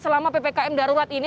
selama ppkm darurat ini